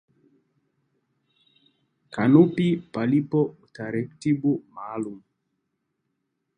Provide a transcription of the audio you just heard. Kanuni Pasipo Utaratibu Maalum